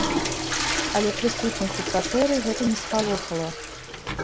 Але прысутных у кватэры гэта не спалохала.